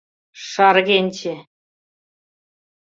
Шаргенче!